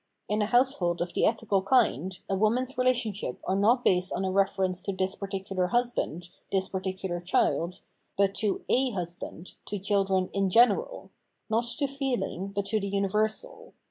In a household of the ethical kind, a woman's relationships are not based on a reference to this particular husband, this particular child, but to a husband, to children in general ,— not to feeling, but to the universal.